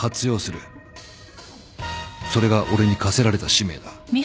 それが俺に課せられた使命だ。